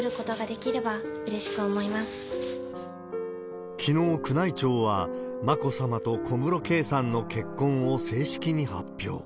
きのう、宮内庁は眞子さまと小室圭さんの結婚を正式に発表。